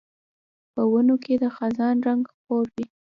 په ونو کې د خزان رنګ خپور وي